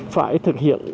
phải thực hiện